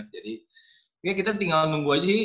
jadi kita tinggal nunggu aja sih